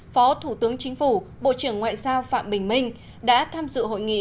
phó thủ tướng chính phủ bộ trưởng ngoại giao phạm bình minh đã tham dự hội nghị